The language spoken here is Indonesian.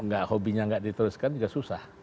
gak hobinya gak diteruskan juga susah